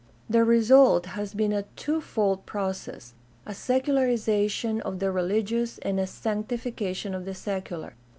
The result has been a twofold process — a, secularization of the religious and a sanctification of the secular.